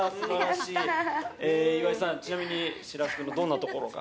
岩井さん、ちなみにしらす君のどんなところが？